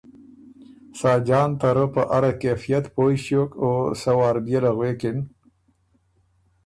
ساجان ته رۀ په اره کېفئت پویٛݭیوک او سۀ وار بيې له غوېکِن